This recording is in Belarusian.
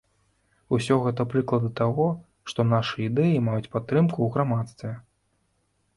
Усё гэта прыклады таго, што нашы ідэі маюць падтрымку ў грамадстве.